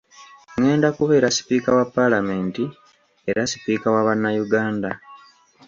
Ngenda kubeera Sipiika wa Palamenti era Sipiika wa bannayuganda.